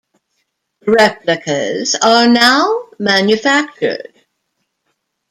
Replicas are now manufactured.